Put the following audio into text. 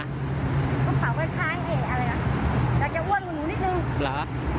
กระเป๋าก็คล้ายเอกอะไรล่ะแต่จะอ้วนของหนูนิดหนึ่ง